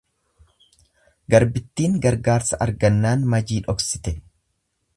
Garbittiin gargaarsa argannaan majii dhoksite.